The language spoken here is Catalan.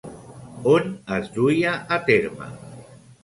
On es duia a terme?